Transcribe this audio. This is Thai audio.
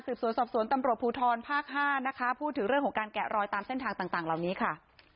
ตำรวจภูทรภาค๕พูดถึงเรื่องของการแกะรอยตามเส้นทางต่างเหล่านี้ค่ะ